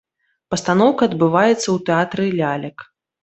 Пастаноўка адбываецца у тэатры лялек.